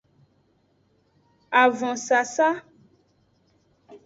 Avonsasa.